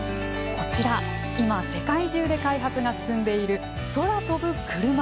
こちら今、世界中で開発が進んでいる「空飛ぶクルマ」。